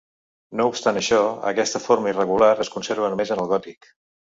No obstant això, aquesta forma irregular es conserva només en el gòtic.